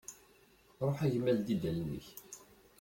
Ruḥ a gma ldi-d allen-ik.